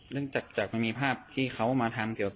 เรื่องจากมันมีภาพที่เขามาทำเกี่ยวกับ